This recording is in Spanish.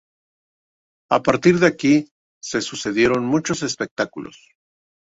A partir de aquí se sucedieron muchos espectáculos.